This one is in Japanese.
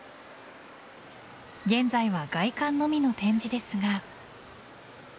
現在は外観のみの展示ですが。